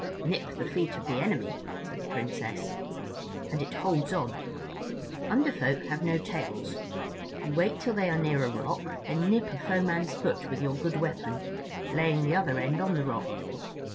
"Nip the feet of the enemy," said the Princess, "and it holds on. Under Folk have no tails. You wait till they are near a rock; then nip a foe man's foot with your good weapon, laying the other end on the rock.